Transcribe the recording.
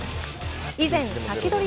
以前、サキドリ！